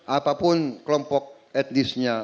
apapun kelompok etnisnya